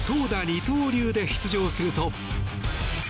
二刀流で出場すると。